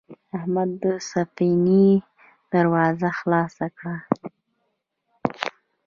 احمد د سفینې دروازه خلاصه کړه.